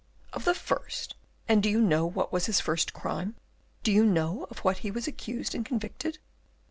"Of the first? And do you know what was his first crime? Do you know of what he was accused and convicted?